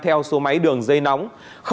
theo số máy đường dây nóng